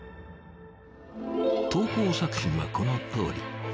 投稿作品はこのとおり。